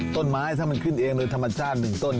ต้นไม้ถ้ามันขึ้นเองโดยธรรมชาติ๑ต้น